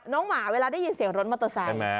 หมาเวลาได้ยินเสียงรถมอเตอร์ไซค์